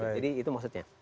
jadi itu maksudnya